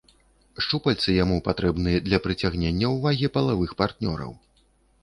Шчупальцы яму патрэбны для прыцягнення ўвагі палавых партнёраў.